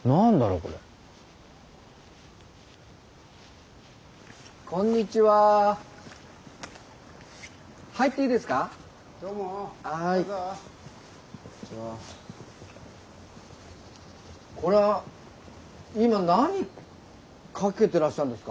これは今何かけてらっしゃるんですか？